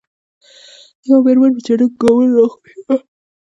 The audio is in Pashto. یوه میرمن په چټکو ګامونو راخوشې وه.